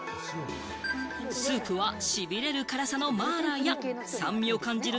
スープはしびれる辛さのマーラーや、酸味を感じる